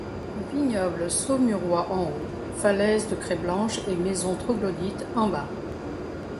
Vignobles Saumurois en haut, falaises de craie blanche et maisons troglodytiques en bas.